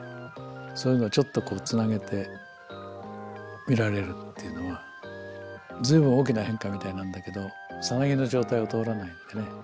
そういうのをちょっとつなげて見られるっていうのは随分大きな変化みたいなんだけどサナギの状態を通らないのでね。